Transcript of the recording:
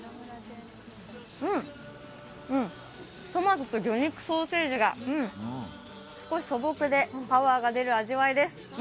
うん、トマトと魚肉ソーセージが少し素朴でパワーが出る味わいです。